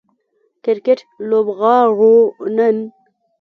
کرکټ لوبغاړو نن